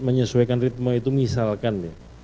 menyesuaikan ritme itu misalkan